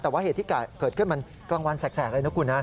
แต่ว่าเหตุที่เกิดขึ้นมันกลางวันแสกเลยนะคุณนะ